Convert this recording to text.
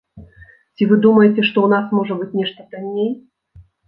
Ці вы думаеце, што ў нас можа быць нешта танней?